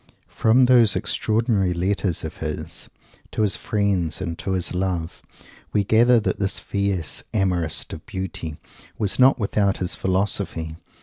From those extraordinary letters of his, to his friends and to his love, we gather that this fierce amorist of Beauty was not without his Philosophy.